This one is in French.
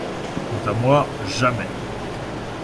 Quant à moi, jamais !